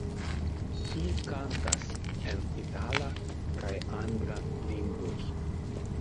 Ŝi kantas en itala kaj angla lingvoj.